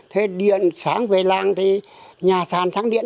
thế điện sáng về làng thì nhà sàn sáng điện